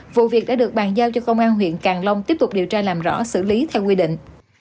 vụ việc đã được bàn giao cho công an huyện càng long tiếp tục điều tra làm rõ xử lý theo quy định